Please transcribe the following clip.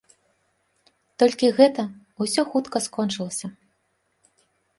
Толькі гэта ўсё хутка скончылася.